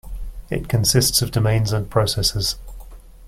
It consists of domains and processes.